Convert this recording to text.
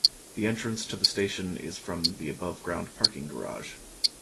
The entrance to the station is from the above ground parking garage.